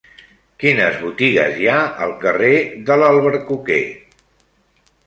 Quines botigues hi ha al carrer de l'Albercoquer?